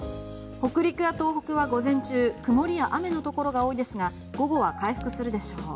北陸や東北は午前中曇りや雨のところが多いですが午後は回復するでしょう。